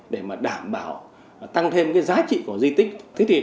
để đảm bảo tăng thêm giá trị của di tích